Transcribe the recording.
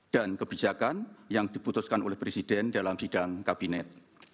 dan kebijakan yang diputuskan oleh presiden dalam sidang kabinet